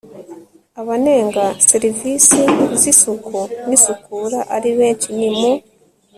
abanenga serivisi z isuku n isukura ari benshi ni mu